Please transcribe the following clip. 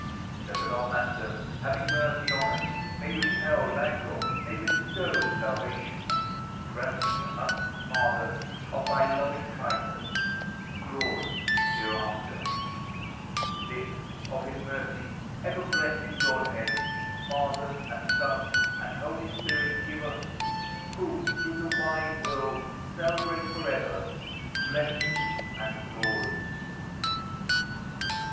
So that our Master, having mercy on us. May repel languor, may bestow salvation, Granting us, Father, of thy loving kindness Glory hereafter! PRAYER l V/> ASPIRATION. L23 This, of his mercy, ever blessed Godhead, Father, and Son, and Boly Spirit, give ns, — Whom through the wide world celebrate forever Blessing and glory